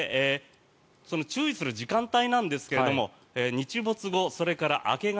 注意する時間帯なんですけれども日没後、それから明け方。